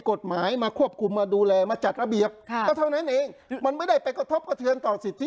กฎหมายมาควบคุมมาดูแลมาจัดระเบียบค่ะก็เท่านั้นเองมันไม่ได้ไปกระทบกระเทือนต่อสิทธิ